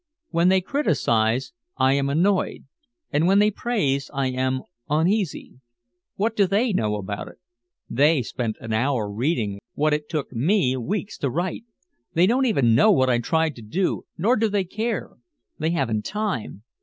When they criticize I am annoyed and when they praise I am uneasy. What do they know about it? They spent an hour reading what it took me weeks to write. They don't know what I tried to do, nor do they care, they haven't time.